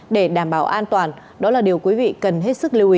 để đảm bảo an toàn đó là điều quý vị cần hết sức lưu ý